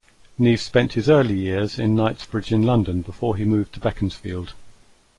Neave spent his early years in Knightsbridge in London, before he moved to Beaconsfield.